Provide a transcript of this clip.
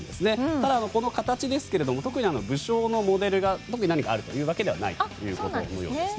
ただ、この形ですが武将のモデルが特に何かあるというわけではないということです。